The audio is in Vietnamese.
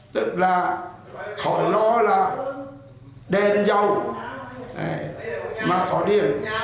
tức là khỏi lo là đèn dầu mà có điện